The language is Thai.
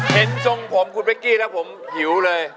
ทรงผมคุณเป๊กกี้แล้วผมหิวเลย